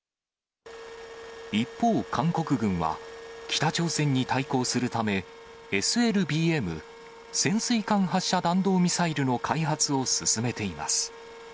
一方、韓国軍は北朝鮮に対抗するため、ＳＬＢＭ・潜水艦発射弾道ミサイルの開発を進めています。